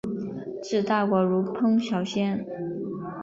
治大国如烹小鲜。